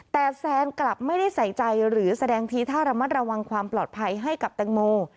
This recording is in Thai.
แต่แซนกลับไม่ได้ใส่ใจหรือแสดงทีท่าระมัดระวังความปลอดภัยให้กับแตงโม